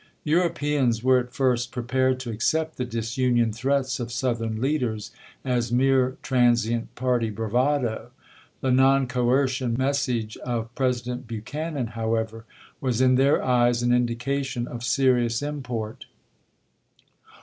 Europeans were at first prepared to accept the disunion threats of Southern leaders as mere tran sient party bravado. The non coercion message of President Buchanan, however, was in their eyes an indication of serious import.